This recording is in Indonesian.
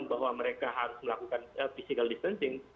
bahwa mereka harus melakukan physical distancing